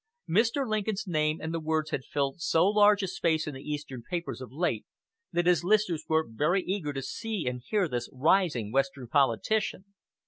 Mr. Lincoln's name and words had filled so large a space in the Eastern newspapers of late, that his listeners were very eager to see and hear this rising Western politician.